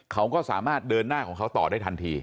เขาก็สามารถเดินหน้าของเขาต่อได้ทันที